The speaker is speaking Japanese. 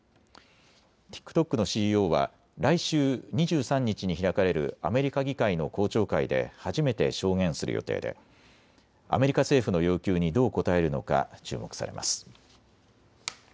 ＴｉｋＴｏｋのＣＥＯは来週２３日に開かれるアメリカ議会の公聴会で初めて証言する予定でアメリカ政府の要求にどう答えるのか注目されます。